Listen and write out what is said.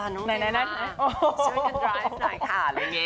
น้องเบ๊มาช่วยกันดรายฟ์ไหนค่ะ